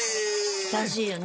楽しいよね